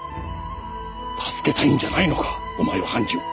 助けたいんじゃないのかお前は半次を！